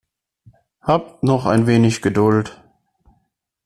Habt noch ein wenig Geduld.